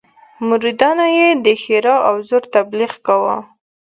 مریدانو یې د ښرا او زور تبليغ کاوه.